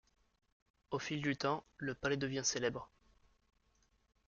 Au fil du temps, le palais devient célèbre.